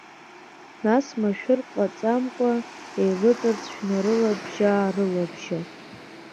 Нас машәырк ҟамҵакәа еилыҵырц шәнарылабжьа-аарылабжьа.